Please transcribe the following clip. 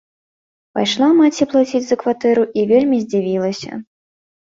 Пайшла маці плаціць за кватэру і вельмі здзівілася.